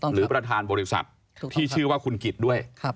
หรือประธานบริษัทที่ชื่อว่าคุณกิจด้วย